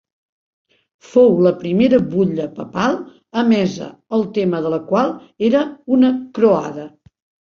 Fou la primera butlla papal emesa el tema de la qual era una croada.